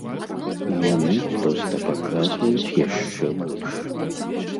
Яны проста паказваюць яшчэ больш.